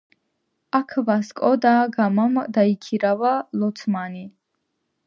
აქ ვასკო და გამამ დაიქირავა ლოცმანი.